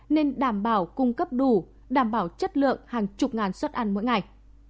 nên đảm bảo cung cấp đủ đảm bảo chất lượng hàng chục ngàn suất ăn mỗi ngày